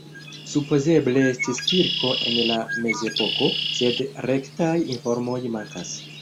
Supozeble estis kirko en la mezepoko, sed rektaj informoj mankas.